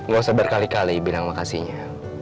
gak usah berkali kali bilang makasihnya